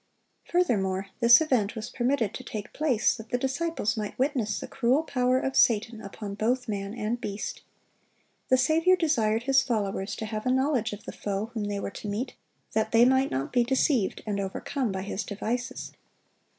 Furthermore, this event was permitted to take place that the disciples might witness the cruel power of Satan upon both man and beast. The Saviour desired His followers to have a knowledge of the foe whom they were to meet, that they might not be deceived and overcome by his devices.